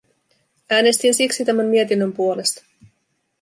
Äänestin siksi tämän mietinnön puolesta.